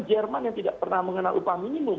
jerman yang tidak pernah mengenal upah minimum